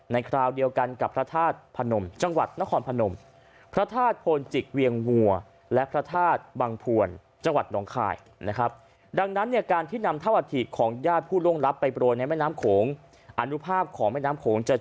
ในคราวเดียวกันกับพระธาตุพระนมจังหวัดนครพระนม